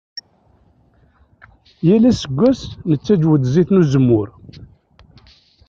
Yal aseggas nettaǧǧew-d zzit n uzemmur.